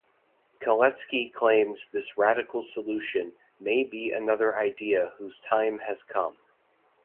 Kaletsky claims this radical solution "may be another idea whose time has come".